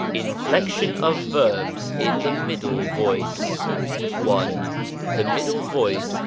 Inflection of Verbs in the Middle Voice. !• The middle voice